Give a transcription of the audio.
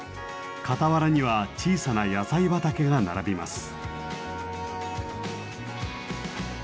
傍らには小さな野菜畑が並びます。